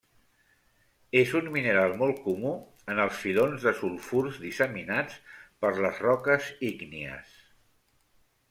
És un mineral molt comú en els filons de sulfurs disseminats per les roques ígnies.